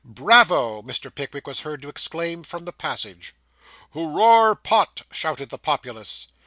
'Bravo!' Mr. Pickwick was heard to exclaim, from the passage. 'Hoo roar Pott!' shouted the populace.